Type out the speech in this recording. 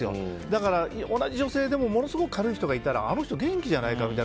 だから同じ女性でもものすごく軽い人がいたらあの人元気じゃないかと。